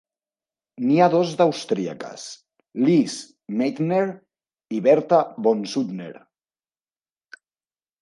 N'hi ha dos d'austríaques: Lise Meitner i Bertha von Suttner.